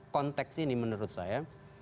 conteks ini menurut saya